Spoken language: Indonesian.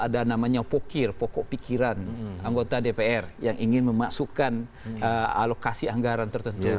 ada namanya pokir pokok pikiran anggota dpr yang ingin memasukkan alokasi anggaran tertentu